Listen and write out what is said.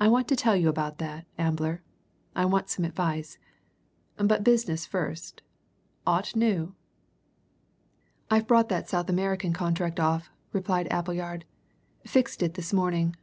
I want to tell you about that, Ambler I want some advice. But business first aught new?" "I've brought that South American contract off," replied Appleyard. "Fixed it this morning."